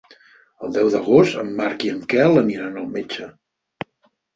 El deu d'agost en Marc i en Quel aniran al metge.